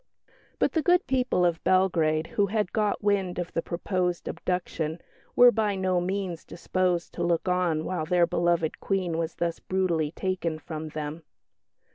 But the good people of Belgrade, who had got wind of the proposed abduction, were by no means disposed to look on while their beloved Queen was thus brutally taken from them.